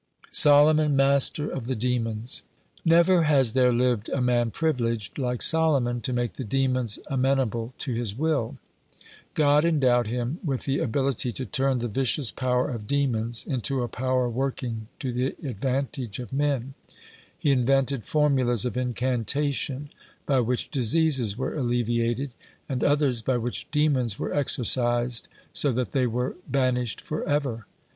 (47) SOLOMON MASTER OF THE DEMONS Never has there lived a man privileged, like Solomon, to make the demons amenable to his will. God endowed him with the ability to turn the vicious power of demons into a power working to the advantage of men. He invented formulas of incantation by which diseases were alleviated, and others by which demons were exorcised so that they were banished forever.